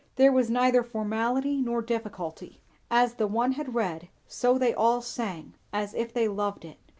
There was neither formality nor difficulty; as the one had read, so they all sang, as if they loved it.